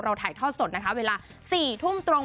เราถ่ายทอดสดเวลา๔ทุ่มตรง